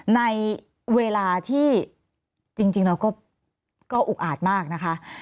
ในเวลาที่จริงเราก็อุกอาจมากนะคะ